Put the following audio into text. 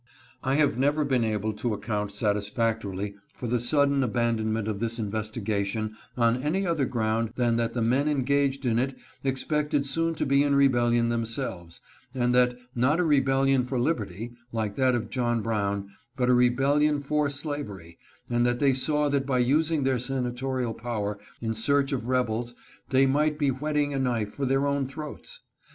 I have never been able to account satisfactorily for the sudden abandonment of this investigation on any other ground than that the men engaged in it expected soon to be in rebellion themselves, and that, not a rebellion for liberty, like that of John Brown, but a rebellion for slav ery, and that they saw that by using their senatorial power in search of rebels they might be whetting a knife for their own throats.